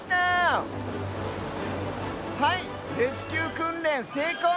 はいレスキューくんれんせいこう！